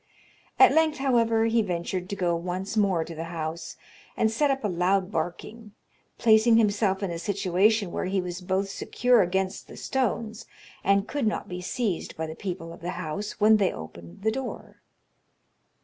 At length, however, he ventured to go once more to the house, and set up a loud barking; placing himself in a situation where he was both secure against the stones, and could not be seized by the people of the house when they opened the door.